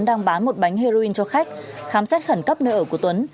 đang bán một bánh heroin cho khách khám xét khẩn cấp nơi ở của tuấn